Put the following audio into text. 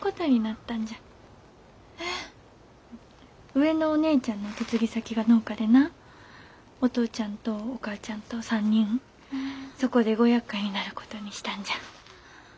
上のお姉ちゃんの嫁ぎ先が農家でなお父ちゃんとお母ちゃんと３人そこでごやっかいになることにしたんじゃ。